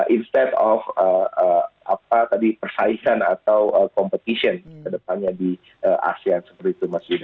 instead of apa tadi persaingan atau competition kedepannya di asean seperti itu mas yuned